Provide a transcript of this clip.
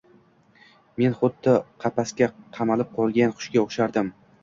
Men xuddi qapasga qamalib qolg‘an qushg‘a o‘xshardim